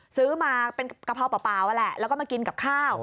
ซื้อมาเป็นกะเพราเปล่านั่นแหละแล้วก็มากินกับข้าว